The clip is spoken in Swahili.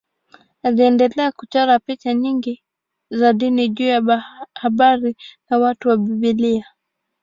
Aliendelea kuchora picha nyingi za dini juu ya habari na watu wa Biblia.